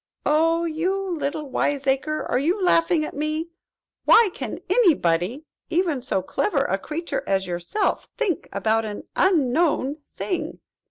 "Oh, you little wiseacre, are you laughing at me? Why, what can any body, even so clever a creature as yourself think about an unknown thing?